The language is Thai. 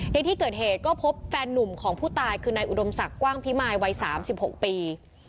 ในที่เกิดเหตุก็พบแฟนนุ่มของผู้ตายคือนายอุดมศักดิ์กว้างพิมายวัย๓๖ปี